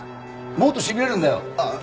もっとしびれるんだよ。ああ。